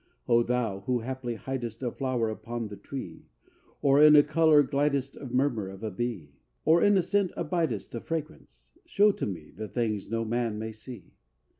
III O thou, who, haply, hidest, A flower upon the tree; Or in a color glidest, Or murmur of a bee; Or in a scent abidest, A fragrance, show to me The things no man may see!